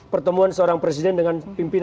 pertemuan seorang presiden dengan